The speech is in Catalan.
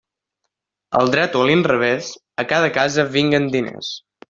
Al dret o a l'inrevés, a cada casa vinguen diners.